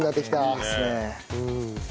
いいっすね。